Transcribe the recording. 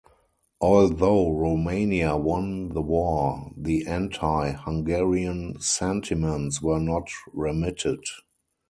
Although Romania won the war, the Anti-Hungarian sentiments were not remitted.